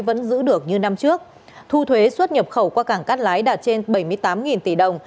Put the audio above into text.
vẫn giữ được như năm trước thu thuế xuất nhập khẩu qua cảng cát lái đạt trên bảy mươi tám tỷ đồng